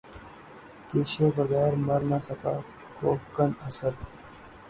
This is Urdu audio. تیشے بغیر مر نہ سکا کوہکن، اسد